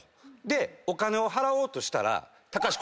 でお金を払おうとしたら。